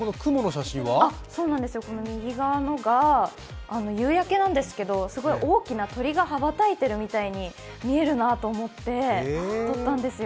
右側が夕焼けなんですけどすごい大きな鳥が羽ばたいているみたいに見えるなと思って撮ったんですよ。